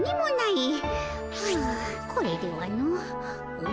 はあこれではの。